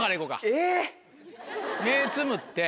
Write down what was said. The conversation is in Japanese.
えっ！